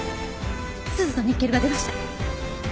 スズとニッケルが出ました。